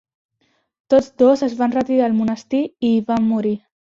Tots dos es van retirar al monestir i hi van morir.